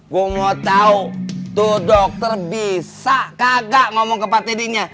gue mau tau tuh dokter bisa kagak ngomong ke pak teddy nya